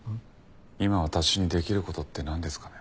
今私にできる事ってなんですかね。